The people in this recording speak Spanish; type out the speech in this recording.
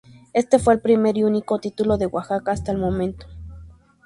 Este fue el primer y único título de Oaxaca hasta el momento.